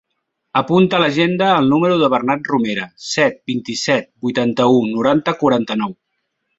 Apunta a l'agenda el número del Bernat Romera: set, vint-i-set, vuitanta-u, noranta, quaranta-nou.